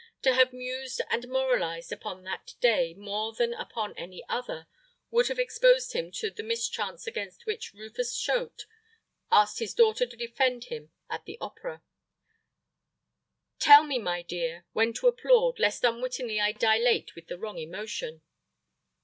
To have mused and moralized upon that day more than upon any other would have exposed him to the mischance against which Rufus Choate asked his daughter to defend him at the opera: "Tell me, my dear, when to applaud, lest unwittingly I dilate with the wrong emotion."